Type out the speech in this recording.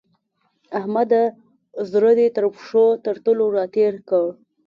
احمده! زړه دې د پښو تر تلو راتېر کړ.